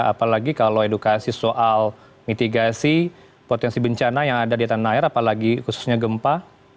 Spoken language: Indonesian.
apalagi kalau edukasi soal mitigasi potensi bencana yang ada di tanah air apalagi khususnya gempa